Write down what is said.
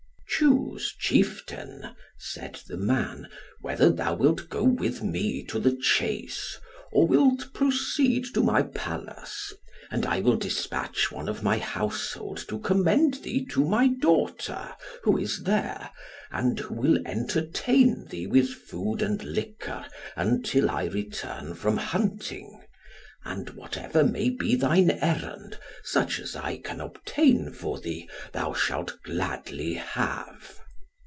"Choose, chieftain," said the man, "whether thou wilt go with me to the chase, or wilt proceed to my Palace, and I will despatch one of my household to commend thee to my daughter, who is there, and who will entertain thee with food and liquor until I return from hunting; and whatever may be thine errand, such as I can obtain for thee, thou shalt gladly have."